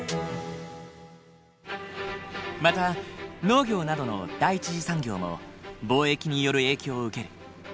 また農業などの第一次産業も貿易による影響を受ける。